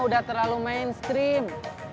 udah terlalu mainstream